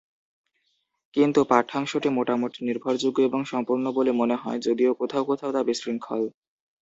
কিন্তু, পাঠ্যাংশটি মোটামুটি নির্ভরযোগ্য এবং সম্পূর্ণ বলে মনে হয়, যদিও কোথাও কোথাও তা বিশৃঙ্খল।